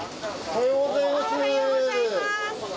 おはようございます。